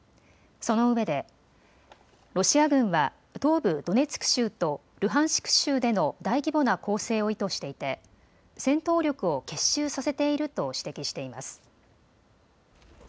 そのうえでロシア軍は東部ドネツク州とルハンシク州での大規模な攻勢を意図していて戦闘力を結集させていると指摘しています。